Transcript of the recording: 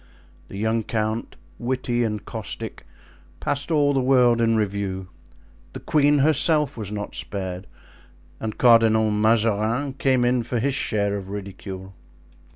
The young count, witty and caustic, passed all the world in review; the queen herself was not spared, and Cardinal Mazarin came in for his share of ridicule.